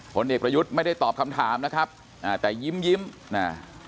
ผลเอกประยุทธ์ไม่ได้ตอบคำถามนะครับอ่าแต่ยิ้มยิ้มนะ